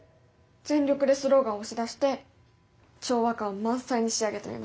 全力でスローガン押し出して調和感満載に仕上げてみました。